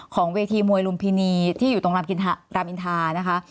เวทีมวยลุมพินีที่อยู่ตรงรามอินทานะคะ